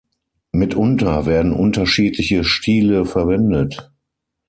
Mitunter werden unterschiedliche Stile verwendet.